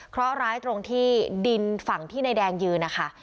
เพราะร้ายตรงที่ดินฝั่งที่นายแดงยืนนะคะ